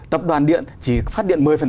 tập đoàn điện chỉ phát điện một mươi